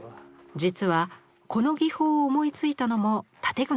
実はこの技法を思いついたのも建具の仕事でした。